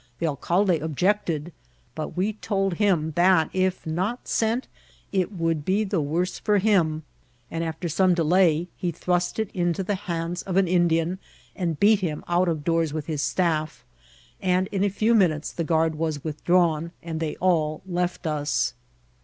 The alcalde objected ; but we told him that, if not sent, it would be the worse for him ; and, after some de* lay, he thrust it into the hands of an Indian, and beat him out of doors with his staff; and in a few minutes the guard was withdrawn, and they all left us.